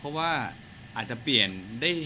ครอบครัวมีน้องเลยก็คงจะอยู่บ้านแล้วก็เลี้ยงลูกให้ดีที่สุดค่ะ